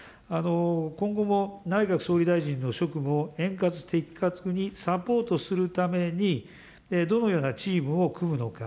今後も内閣総理大臣の職務を円滑、的確にサポートするために、どのようなチームを組むのか。